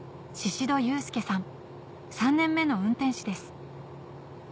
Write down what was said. ３年目の運転士です